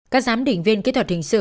các giám định viên kỹ thuật hình sự